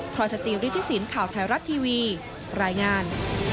รอยสจิริธิสินข่าวไทยรัฐทีวีรายงาน